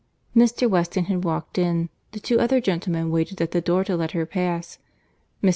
Mr. Weston had walked in. The two other gentlemen waited at the door to let her pass. Mr.